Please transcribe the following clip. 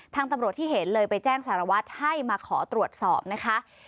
ตำรวจที่เห็นเลยไปแจ้งสารวัตรให้มาขอตรวจสอบนะคะ